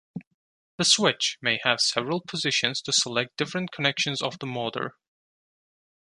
The switch may have several positions to select different connections of the motor.